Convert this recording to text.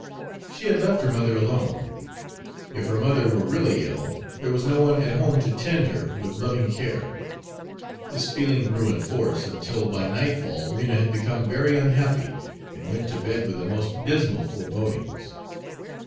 She had left her mother alone; if her mother were really ill, there was no one at home to tend her with loving care. This feeling grew in force, until by nightfall Rena had become very unhappy, and went to bed with the most dismal forebodings.